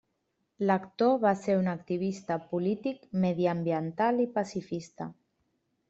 L'actor va ser un activista polític, mediambiental i pacifista.